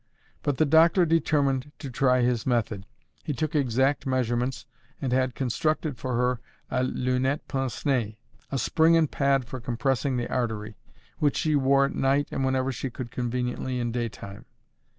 But the doctor determined to try his method; he took exact measurements, and had constructed for her a "lunette pince nez" a spring and pad for compressing the artery which she wore at night and whenever she could conveniently in daytime.